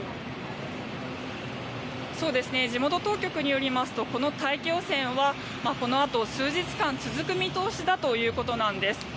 地元当局によりますとこの大気汚染はこのあと数日間続く見通しだということです。